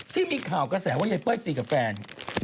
ที่มีข่าวกระแสว่ายายเป้ยตีกับแฟน